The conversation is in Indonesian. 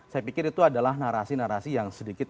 saya pikir itu adalah narasi narasi yang sedikit